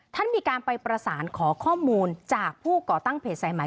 ท่านมีการไปประสานขอข้อมูลจากผู้ก่อตั้งเพจสายใหม่